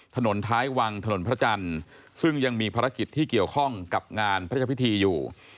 ถนนท้ายวังถนนพระจันทร์ซึ่งยังมีภารกิจที่เกี่ยวข้องกับงานพระเจ้าพิธีอยู่